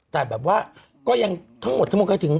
แต่แบบว่าก็ยังทั้งหมดถึง